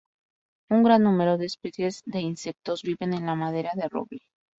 Un gran número de especies de insectos viven en la madera de roble.